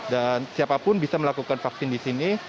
dan siapapun bisa melakukan vaksin di sini